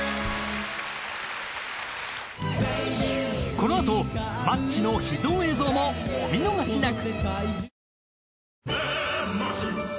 このあとマッチの秘蔵映像もお見逃しなく！